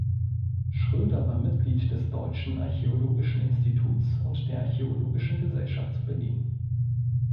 Schröder war Mitglied des Deutschen Archäologischen Instituts und der Archäologischen Gesellschaft zu Berlin.